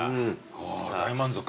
あぁ大満足。